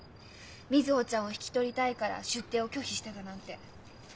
瑞穂ちゃんを引き取りたいから出廷を拒否しただなんて。